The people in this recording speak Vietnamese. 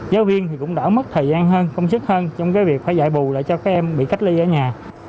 giáo viên thì cũng đỡ mất thời gian hơn công sức hơn trong cái việc phải dạy bù lại cho các em bị cách ly ở nhà